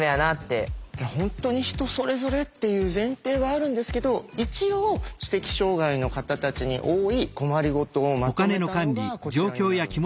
本当に人それぞれっていう前提はあるんですけど一応知的障害の方たちに多い困り事をまとめたのがこちらになるんですね。